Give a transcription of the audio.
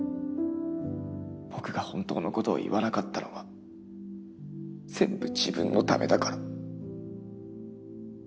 僕が本当のことを言わなかったのは全部自分のためだから。